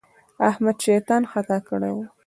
احمد شيطان خطا کړی وو.